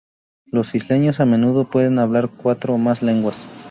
Los isleños a menudo pueden hablar cuatro o más lenguas.